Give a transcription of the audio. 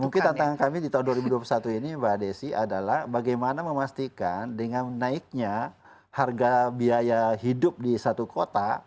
mungkin tantangan kami di tahun dua ribu dua puluh satu ini mbak desi adalah bagaimana memastikan dengan naiknya harga biaya hidup di satu kota